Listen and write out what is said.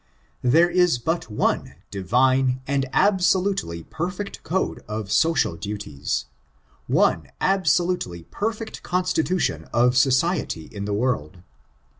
There is but one divine and absolutely perfect code of social duties; one absolutely perfect constitution of society in die world.